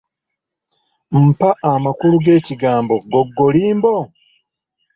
Mpa amakulu g'ekigambo googolimbo?